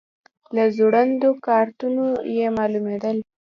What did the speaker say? له ځوړندو کارتونو یې معلومېدل.